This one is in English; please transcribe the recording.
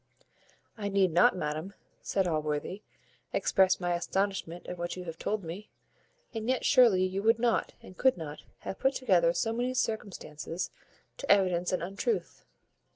"I need not, madam," said Allworthy, "express my astonishment at what you have told me; and yet surely you would not, and could not, have put together so many circumstances to evidence an untruth.